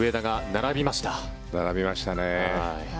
並びましたね。